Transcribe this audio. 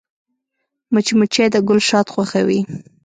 مچمچۍ د ګل شات خوښوي